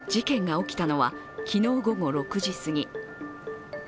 事件が起きたのは昨日午後６時すぎ。